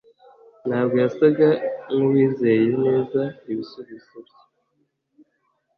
Ntabwo yasaga nkuwizeye neza ibisubizo bye.